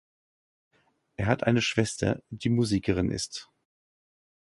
Er hat eine Schwester, die Musikerin ist.